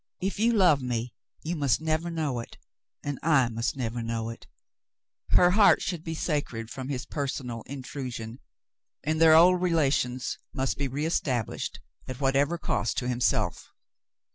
" If j^ou love me, you must never know it, and I must never know it." Her heart should be sacred from his personal intrusion, and their old relations must be reestablished, at whatever cost to himself.